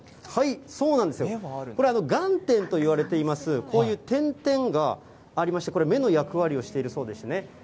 そうなんですよ、これ、眼点といわれています、こういう点々がありまして、これ、目の役割をしているそうですね。